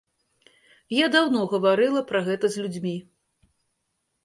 Я даўно гаварыла пра гэта з людзьмі.